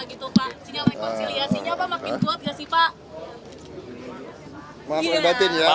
gitu pak sinyal rekonsiliasinya apa makin kuat nggak sih pak